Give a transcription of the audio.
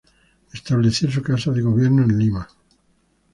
Estableció su casa de gobierno en Lima.